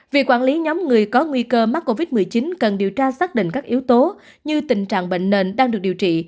việc quản lý nhóm người có nguy cơ mắc covid một mươi chín cần điều tra xác định các yếu tố như tình trạng bệnh nền đang được điều trị